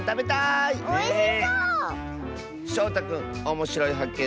しょうたくんおもしろいはっけん